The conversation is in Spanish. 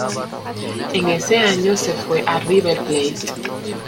En ese año se fue a River Plate.